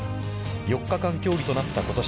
４日間競技となったことし。